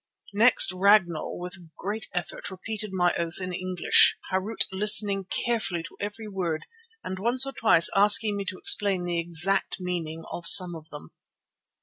Next Ragnall with a great effort repeated my oath in English, Harût listening carefully to every word and once or twice asking me to explain the exact meaning of some of them.